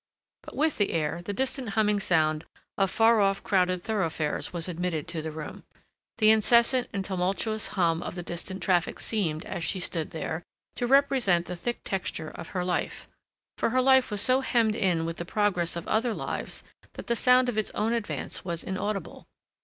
But with the air the distant humming sound of far off crowded thoroughfares was admitted to the room. The incessant and tumultuous hum of the distant traffic seemed, as she stood there, to represent the thick texture of her life, for her life was so hemmed in with the progress of other lives that the sound of its own advance was inaudible.